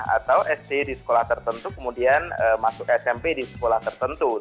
atau sd di sekolah tertentu kemudian masuk smp di sekolah tertentu